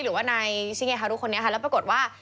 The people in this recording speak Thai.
หรือว่านายชิเงฮารุคนนี้ค่ะแล้วปรากฏว่า